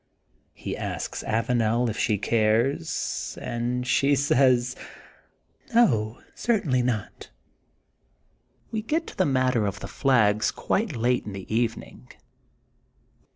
He asks Avanel if she cares and she saySy No, certainly not. We get to the matter of the flags quite late in the evening.